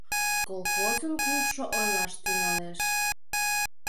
Колхозын клубшо ойлаш тӱҥалеш.